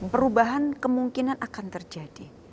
perubahan kemungkinan akan terjadi